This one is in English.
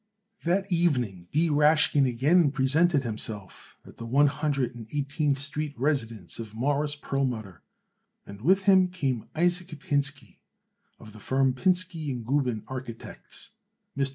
That evening B. Rashkin again presented himself at the One Hundred and Eighteenth Street residence of Morris Perlmutter, and with him came Isaac Pinsky, of the firm of Pinsky & Gubin, architects. Mr.